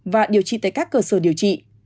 và điều trị tại các cơ sở điều trị